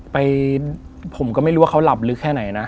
ไปผมก็ไม่รู้ว่าเขาหลับลึกแค่ไหนนะ